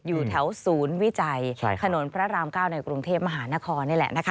อยู่แถวศูนย์วิจัยถนนพระราม๙ในกรุงเทพมหานครนี่แหละนะคะ